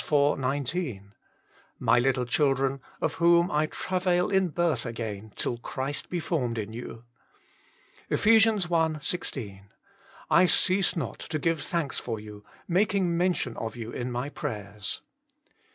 19: " My little children, of whom / travail in birth again till Christ be formed in you." Eph. i 16: "I cease not to give thanks for you, making mention of you in my prayers."